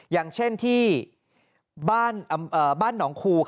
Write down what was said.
อย่างเช่นที่บ้านหนองคู